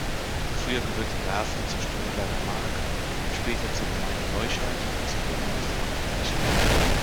Früher gehörte Werfen zur Stromberger Mark, später zur Gemeinde Leuscheid und zum Bürgermeisteramt Herchen.